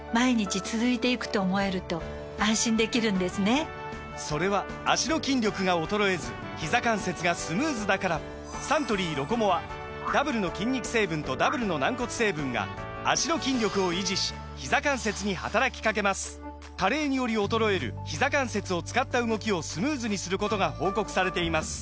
サントリー「ロコモア」・それは脚の筋力が衰えずひざ関節がスムーズだからサントリー「ロコモア」ダブルの筋肉成分とダブルの軟骨成分が脚の筋力を維持しひざ関節に働きかけます加齢により衰えるひざ関節を使った動きをスムーズにすることが報告されています